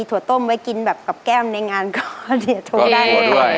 ถั่วต้มไว้กินแบบกับแก้มน์ในงานก็ได้